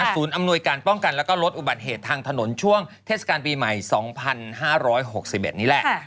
อำนวยการป้องกันแล้วก็ลดอุบัติเหตุทางถนนช่วงเทศกาลปีใหม่๒๕๖๑นี่แหละ